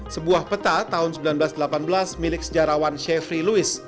sebuah peta tahun seribu sembilan ratus delapan belas milik sejarawan shefri louis